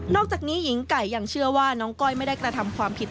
อกจากนี้หญิงไก่ยังเชื่อว่าน้องก้อยไม่ได้กระทำความผิด